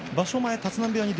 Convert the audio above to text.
立浪部屋に場所